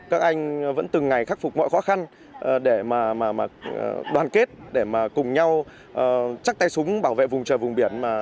các anh vẫn từng ngày khắc phục mọi khó khăn để mà đoàn kết để mà cùng nhau chắc tay súng bảo vệ vùng trời vùng biển